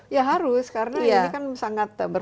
ya harus karena ini kan sangat berbeda